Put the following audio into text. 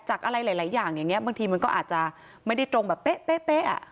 จากอะไรหลายหลายอย่างอย่างเงี้ยบางทีมันก็อาจจะไม่ได้ตรงแบบเป๊ะเป๊ะเป๊ะ